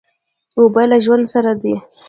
اوبه له ژوند سره دي.